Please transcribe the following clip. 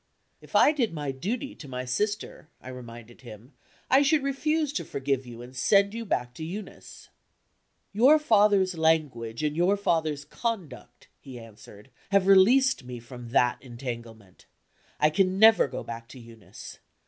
"If I did my duty to my sister," I reminded him, "I should refuse to forgive you, and send you back to Eunice." "Your father's language and your father's conduct," he answered, "have released me from that entanglement. I can never go back to Eunice.